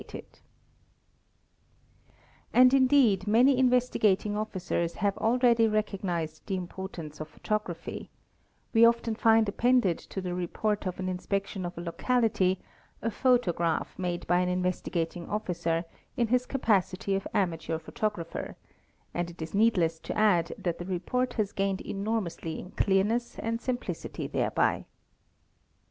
d 32 250 THE EXPERT And indeed many Investigating Officers have already recognized the importance of photography; we often find appended to the report of an inspection of a locality a photograph made by an Investigating Officer — in his capacity of amateur photographer, and it is needless to add that the report has gained enormously in clearness and simplicity thereby.